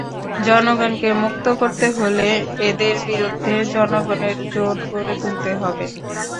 জনগণকে মুক্ত করতে হলে এদের বিরুদ্ধে জনগণের জোট গড়ে তুলতে হবে।